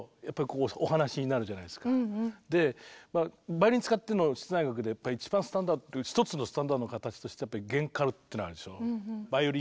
バイオリン使っての室内楽でやっぱ一番スタンダード一つのスタンダードな形としてやっぱり弦カルっていうのあるでしょ。